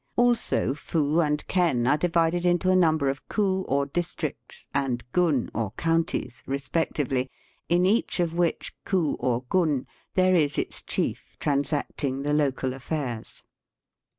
Also fu and ken are divided into a number of ku, or districts, and gun, or counties, respec tively, in each of which ku or gun there is its chief transacting the local affairs.